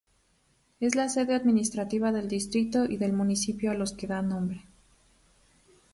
Es la sede administrativa del distrito y del municipio a los que da nombre.